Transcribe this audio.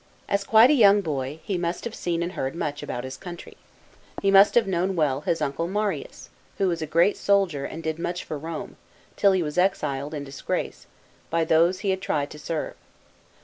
As quite a >oung boy, he must have seen and heard much, about his country. He must have known well, his uncle Marius, who was a great B.C. 100 44.] JULIUS CAESAR. 181 soldier and did much for Rome, till he was exiled in disgrace, by those he had tried to serve.